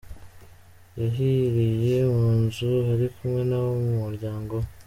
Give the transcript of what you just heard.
Yahiriye mu nzu ari kumwe n’abo mu muryango we.